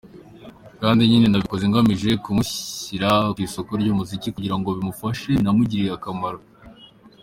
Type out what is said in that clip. Kandi nyine nabikoze ngamije kumushyira ku isoko ry’umuziki kugira ngo bimufashe binamugirire akamaro.